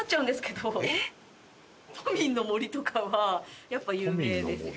都民の森とかはやっぱ有名ですね。